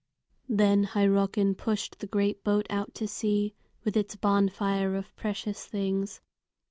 Then Hyrrockin pushed the great boat out to sea, with its bonfire of precious things.